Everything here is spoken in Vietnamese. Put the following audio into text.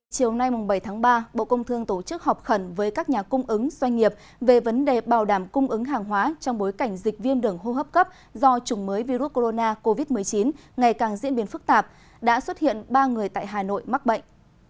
chiều nay bảy tháng ba bộ công thương tổ chức họp khẩn với các nhà cung ứng doanh nghiệp về vấn đề bảo đảm cung ứng hàng hóa trong bối cảnh dịch viêm đường hô hấp cấp do chủng mới virus corona covid một mươi chín ngày càng diễn biến phức tạp đã xuất hiện ba người tại hà nội mắc bệnh